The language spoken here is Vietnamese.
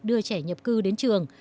đưa trẻ nhập cư đến trường